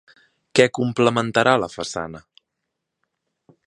Què complementarà la façana?